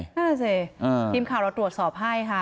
นั่นน่ะสิทีมข่าวเราตรวจสอบให้ค่ะ